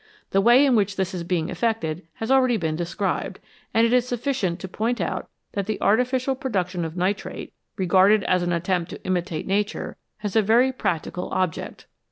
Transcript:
The way in which this is being effected has already been described, and it is sufficient to point out that the artificial production of nitrate, regarded as an attempt to imitate Nature, has a very practical object.